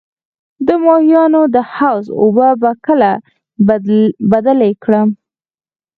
د ماهیانو د حوض اوبه کله بدلې کړم؟